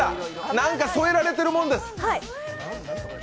何か添えられているもんです。